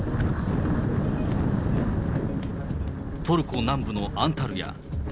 トルコ南部のアンタルヤ。